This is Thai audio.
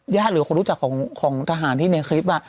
หรือคนรู้จักของทหารที่ในคลิป